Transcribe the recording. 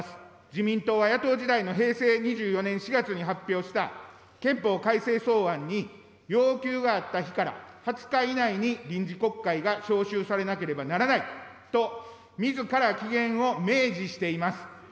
自民党は野党時代の平成２４年４月に発表した憲法改正草案に、要求があった日から、２０日以内に臨時国会が召集されなければならないと、みずから期限を明示しています。